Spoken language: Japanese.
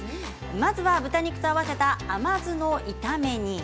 まずは豚肉と合わせた甘酢の炒め煮。